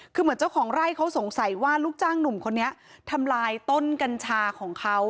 คือเหมือนเจ้าของไร่เขาสงสัยว่าลูกจ้างหนุ่มคนนี้ทำลายต้นกัญชาของเขา